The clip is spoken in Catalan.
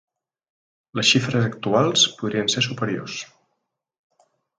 Les xifres actuals podrien ser superiors.